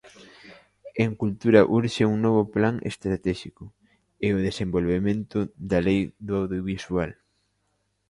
En cultura urxe un novo plan estratéxico e o desenvolvemento da Lei do audiovisual.